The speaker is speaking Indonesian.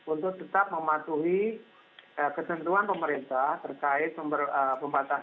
untuk tetap mematuhi ketentuan pemerintah terkait pembatasan